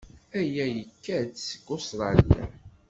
Aya yekka-d seg Ustṛalya.